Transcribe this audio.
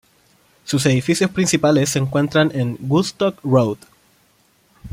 Sus edificios principales se encuentran en Woodstock Road.